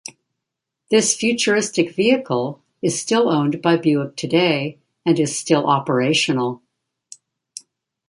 This futuristic vehicle is still owned by Buick today, and is still operational.